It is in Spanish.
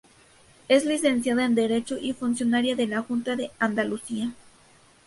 Es licenciada en Derecho y funcionaria de la Junta de Andalucía.